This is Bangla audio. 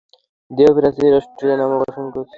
দেহ প্রাচীর অস্টিয়া নামক অসংখ্য ছিদ্রযুক্ত।